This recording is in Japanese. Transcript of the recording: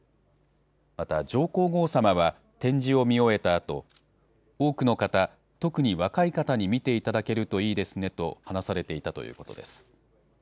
また上皇后さまは、展示を見終えたあと、多くの方、特に若い方に見ていただけるといいですねと話されていたということです。